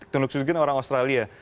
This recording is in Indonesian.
tony kusgen orang australia